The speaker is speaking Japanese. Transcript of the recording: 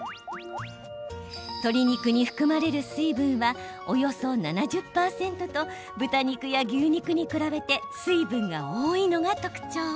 鶏肉に含まれる水分はおよそ７０％と豚肉や牛肉に比べて水分が多いのが特徴。